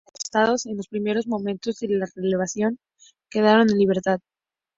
Los mandos arrestados en los primeros momentos de la rebelión quedaron en libertad.